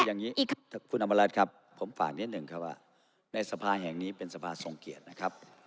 อย่างนี้คุณอำมารัฐครับผมฝากนิดหนึ่งครับว่าในสภาแห่งนี้เป็นสภาทรงเกียรตินะครับ